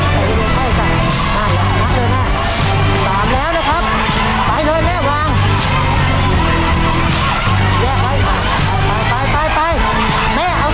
ใช่ใช่ใช่ตามแล้วนะครับตามแล้วนะครับไปเลยแม่วาง